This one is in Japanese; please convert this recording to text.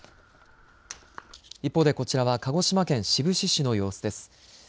一方でこちらは鹿児島県志布志市の様子です。